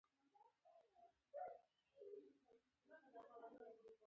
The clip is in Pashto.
مرغلره په خاورو کې پرته وي.